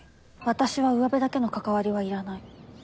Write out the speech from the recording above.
私はうわべだけの関わりはいらない。